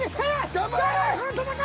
頑張れ！